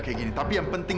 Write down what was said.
sehingga jika bukan apapun